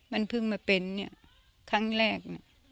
มันเพิ่งมาเป็นเนี่ยครั้งแรก